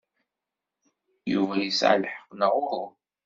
Yuba yesɛa lḥeqq, neɣ uhu?